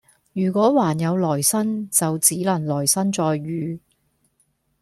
如果還有來生就只能來生再遇